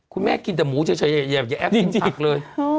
คุณแม่กินแต่หมูเฉยอย่าแอปจริงเลย